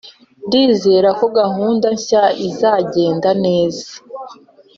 ndizera ko gahunda nshya izagenda neza